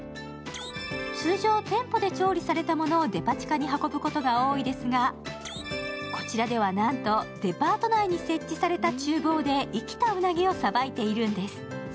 通常、店舗で調理されたものをデパ地下に運ぶことが多いですがこちらではなんとデパート内に設置されたちゅう房で生きたうなぎをさばいているんです。